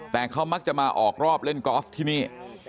แต่เขามักจะมาออกรอบเล่นกอล์ฟที่นี่